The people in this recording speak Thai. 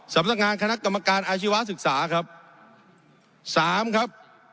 ๒สำนักงานคณะกรรมการอาชีวศึกษาครับ